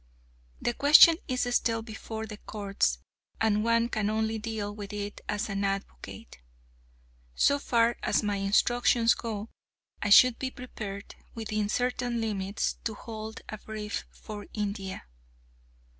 The question is still before the courts, and one can only deal with it as an advocate. So far as my instructions go, I should be prepared, within certain limits, to hold a brief for India.